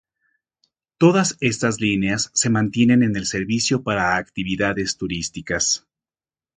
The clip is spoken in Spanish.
Todas estas líneas se mantienen en el servicio para actividades turísticas.